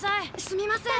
すみません。